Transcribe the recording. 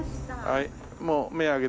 はい。